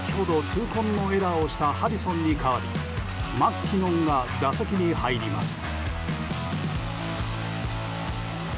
痛恨のエラーをしたハリソンに代わりマッキノンが打席に入ります。